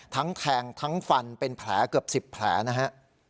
แทงทั้งฟันเป็นแผลเกือบ๑๐แผลนะฮะ